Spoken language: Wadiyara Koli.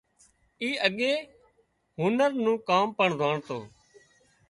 اي اڳي هنر نُون ڪام پڻ زانڻتو